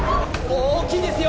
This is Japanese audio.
大きいですよ